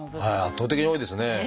圧倒的に多いですね。